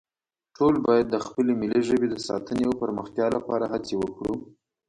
ټول باید د خپلې ملي ژبې د ساتنې او پرمختیا لپاره هڅې وکړو